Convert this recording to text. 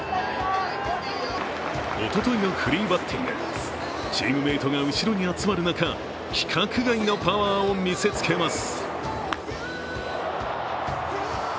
おとといのフリーバッティングチームメートが後ろに集まる中規格外のパワーを見せつけます。